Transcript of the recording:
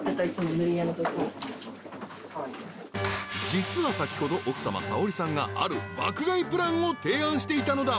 ［実は先ほど奥さまサオリさんがある爆買いプランを提案していたのだ］